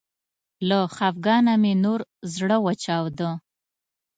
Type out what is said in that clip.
له خفګانه مې نور زړه وچاوده